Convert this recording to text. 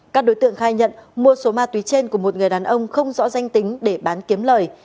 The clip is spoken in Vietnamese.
các đối tượng khai nhận mua số ma túy trên của một người đàn ông không rõ danh tính để bán kiếm lời